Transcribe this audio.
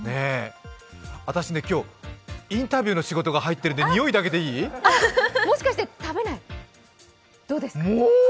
私ね、今日インタビューの仕事が入っているので匂いだけでいい？もしかして食べない？